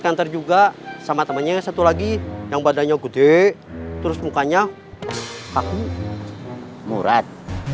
nganter juga sama temennya satu lagi yang badannya gede terus mukanya aku murad